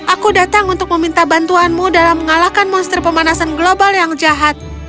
aku datang untuk meminta bantuanmu dalam mengalahkan monster pemanasan global yang jahat